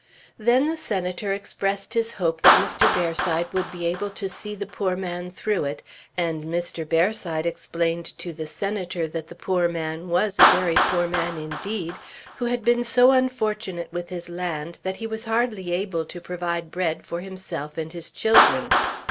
Then the Senator expressed his hope that Mr. Bearside would be able to see the poor man through it, and Mr. Bearside explained to the Senator that the poor man was a very poor man indeed, who had been so unfortunate with his land that he was hardly able to provide bread for himself and his children.